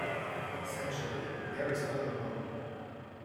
Essentially there is only one.